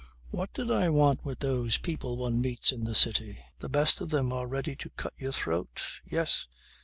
What did I want with those people one meets in the City. The best of them are ready to cut your throat. Yes!